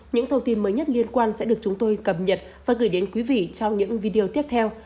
những thông tin mới nhất liên quan sẽ được chúng tôi cập nhật và gửi đến quý vị trong những video tiếp theo